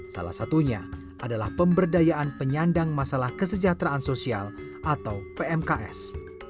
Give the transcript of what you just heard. salah satunya adalah pemberdayaan penyandang masalah kesejahteraan sosial atau pmks